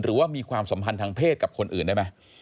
มีความสัมพันธ์ทางเพศกับคนอื่นได้ไหม